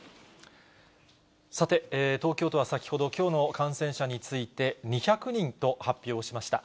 さて、東京都は先ほど、きょうの感染者について、２００人と発表しました。